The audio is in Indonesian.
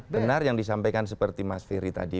benar yang disampaikan seperti mas ferry tadi